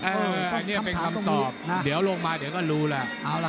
อันนี้เป็นคำตอบเดี๋ยวลงมาเดี๋ยวก็รู้แล้ว